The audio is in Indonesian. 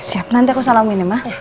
siap nanti aku salamin ya mah